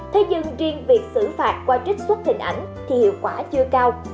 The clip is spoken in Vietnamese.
thế nhưng riêng việc xử phạt qua trích xuất hình ảnh thì hiệu quả chưa cao